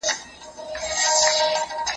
لیکل تر اورېدلو د کلمو په اصلاح کې مهم رول لري.